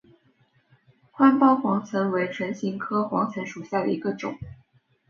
宽苞黄芩为唇形科黄芩属下的一个种。